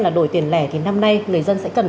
là đổi tiền lẻ thì năm nay người dân sẽ cần